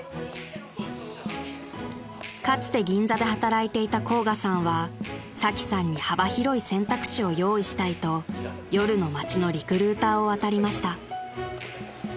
［かつて銀座で働いていた甲賀さんはサキさんに幅広い選択肢を用意したいと夜の街のリクルーターを当たりました］